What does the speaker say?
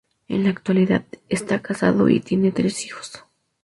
En la actualidad, está casado y tiene tres hijos.